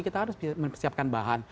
kita harus mempersiapkan bahan